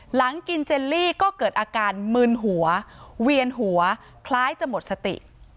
หลังกินเจลลี่ก็เกิดอาการมืนหัวเวียนหัวคล้ายจะหมดสติ